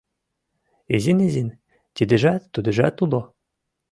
— Изин-изин тидыжат-тудыжат уло.